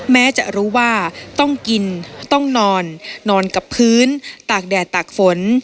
แม้จะรู้ว่าต้องกินต้องนอนนอนกับพื้นตากแดดตากฝน